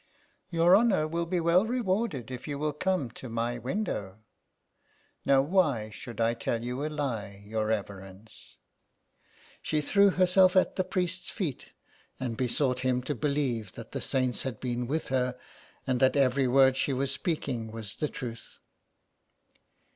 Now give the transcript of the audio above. *'Your honour will be well rewarded if you will come to my window. Now why should I tell you a lie, your reverence ?" She threw herself at the priest's feet and besought him to believe that the saints had been with her, and that every word she was speaking was the truth.